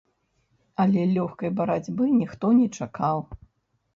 Але лёгкай барацьбы ніхто не чакаў.